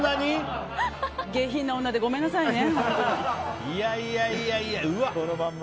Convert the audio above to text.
下品な女でごめんなさいね。